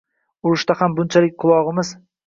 Urushda ham bunchalik qulog`imiz qomatga kelmagandi